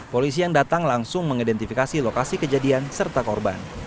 polisi yang datang langsung mengidentifikasi lokasi kejadian serta korban